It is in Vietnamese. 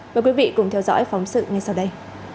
mời quý vị cùng theo dõi phóng sự ngay sau đây